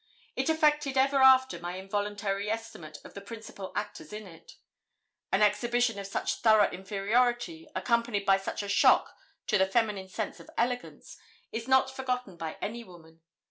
It affected ever after my involuntary estimate of the principal actors in it. An exhibition of such thorough inferiority, accompanied by such a shock to the feminine sense of elegance, is not forgotten by any woman.